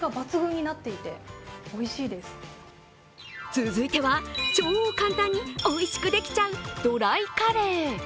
続いては、超簡単においしくできちゃうドライカレー。